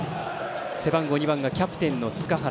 背番号２番、キャプテンの塚原。